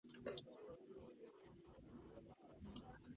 დაწერის თარიღი და ავტორი დადგენილი არ არის.